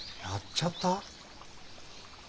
やっちゃった。